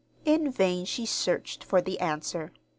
In vain she searched for the answer.